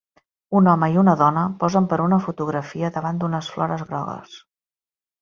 Un home i una dona posen per a una fotografia davant d'unes flores grogues.